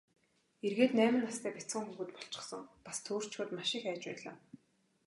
Эргээд найман настай бяцхан хүүхэд болчихсон, бас төөрчхөөд маш их айж байлаа.